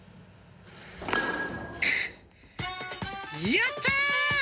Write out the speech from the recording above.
やった！